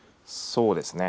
そうですね。